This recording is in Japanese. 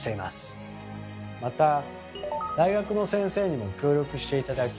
また大学の先生にも協力して頂き